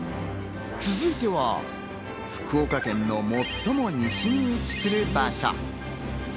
続いては福岡県の最も西に位置する場所。